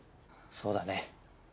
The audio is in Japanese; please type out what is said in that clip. そうだね。